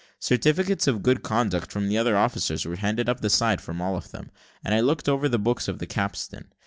Certificates of good conduct from other officers were handed up the side from all of them: and I looked over the books at the capstan.